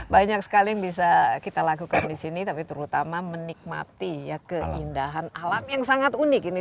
banyak sekali bisa kita lakukan disini tapi terutama menikmati ya keindahan alam yang sangat unik ini